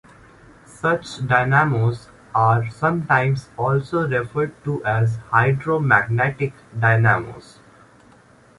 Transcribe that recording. Such dynamos are sometimes also referred to as "hydromagnetic dynamos".